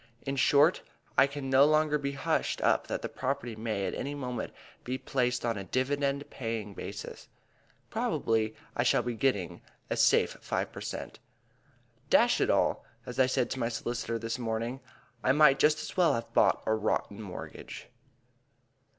In short, it can no longer be hushed up that the property may at any moment be "placed on a dividend paying basis." Probably I shall be getting a safe five per cent.! "Dash it all," as I said to my solicitor this morning, "I might just as well have bought a rotten mortgage."